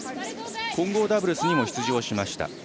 混合ダブルスにも出場しました。